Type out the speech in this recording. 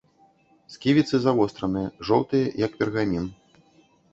Сківіцы завостраныя, жоўтыя, як пергамін.